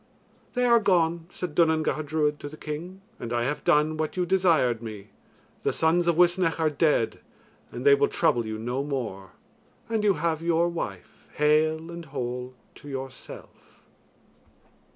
"They are gone," said Duanan Gacha Druid to the king, "and I have done what you desired me. The sons of Uisnech are dead and they will trouble you no more; and you have your wife hale and whole to yourself."